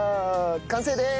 完成です！